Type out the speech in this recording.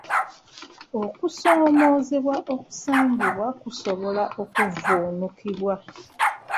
Okusomoozebwa okusangibwa kusobola okuvvuunukibwa.